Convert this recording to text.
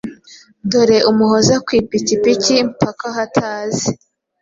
dore Umuhoza ku ipikipiki mpaka aho atazi